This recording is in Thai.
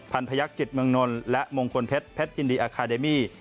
พันพยักษิตเมืองนลและมงคลเพชรเพชรยินดีอาคาเดมี่